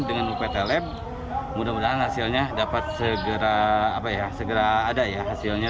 dengan upt lab mudah mudahan hasilnya dapat segera ada ya hasilnya